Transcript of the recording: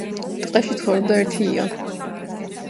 თყეში ცხოვრობდა ერთი ია